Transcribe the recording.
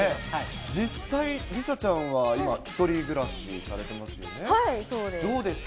実際、梨紗ちゃんは今、１人暮らしされてますよね。